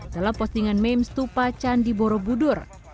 dalam postingan memes tupa candi borobudur